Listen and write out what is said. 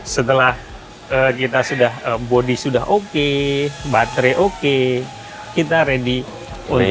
setelah kita sudah bodi sudah oke baterai oke kita ready oleh